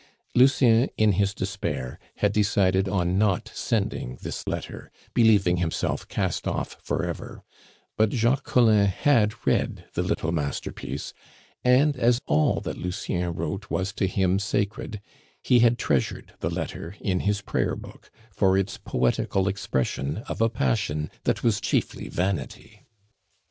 Lucien, in his despair, had decided on not sending this letter, believing himself cast off for ever; but Jacques Collin had read the little masterpiece; and as all that Lucien wrote was to him sacred, he had treasured the letter in his prayer book for its poetical expression of a passion that was chiefly vanity.